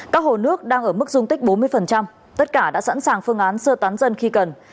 các hồ nước đang ở mức dung tích bốn mươi tất cả đã sẵn sàng phương án sơ tán dân khi cần